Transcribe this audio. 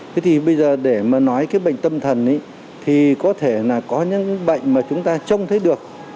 thế thì bây giờ để mà nói cái bệnh tâm thần thì có thể là có những bệnh mà chúng ta trông thấy được